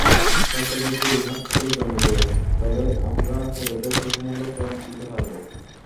সরকার যদি রিহ্যাবকে জমি দেয়, তবে আমরা ক্রেতাদের স্বল্পমূল্যে ফ্ল্যাট দিতে পারব।